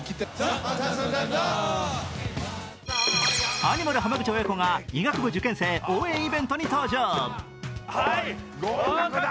アニマル浜口親子が医学部受験生応援イベントに登場。